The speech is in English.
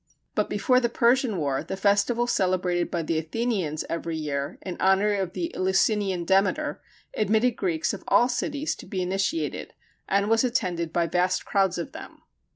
But before the Persian war, the festival celebrated by the Athenians every year, in honor of the Eleusinian Demeter, admitted Greeks of all cities to be initiated, and was attended by vast crowds of them.